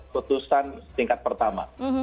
keutusan tingkat pertama